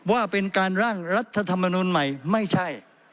ว่าเป็นการร่างรัฐธรรมนุนใหม่ไม่ใช่